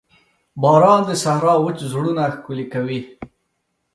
باران د صحرا وچ زړونه ښکلي کوي.